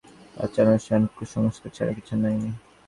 তিনি মনে করতেন সকল ধর্মীয় আচার অনুষ্ঠান কুসংস্কার ছাড়া কিছু নয়।